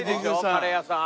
カレー屋さん。